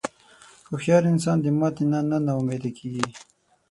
هوښیار انسان د ماتې نه نا امیده نه کېږي.